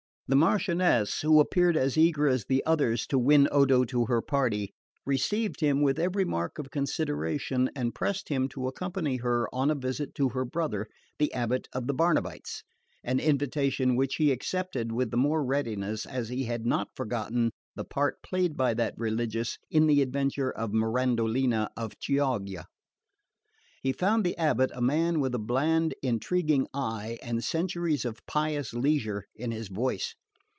The Marchioness, who appeared as eager as the others to win Odo to her party, received him with every mark of consideration and pressed him to accompany her on a visit to her brother, the Abbot of the Barnabites; an invitation which he accepted with the more readiness as he had not forgotten the part played by that religious in the adventure of Mirandolina of Chioggia. He found the Abbot a man with a bland intriguing eye and centuries of pious leisure in his voice.